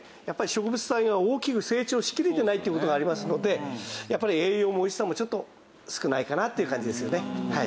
やっぱり植物体が大きく成長しきれてないっていう事がありますので栄養もおいしさもちょっと少ないかなっていう感じですよね。